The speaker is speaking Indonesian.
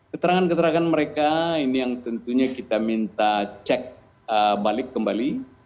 keterangan keterangan mereka ini yang tentunya kita minta cek balik kembali